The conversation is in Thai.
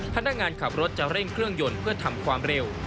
พนักงานขับรถจะเร่งเครื่องยนต์เพื่อทำความเร็ว